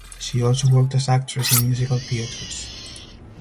She also worked as actress in musical theatres.